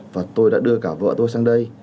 và tôi đã đưa cả vợ tôi sang đây